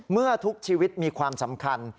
เมื่อทุกชีวิตมีความสำคัญ